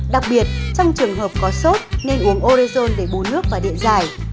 đặc biệt trong trường hợp có sốt nên uống orezon để bù nước và điện giải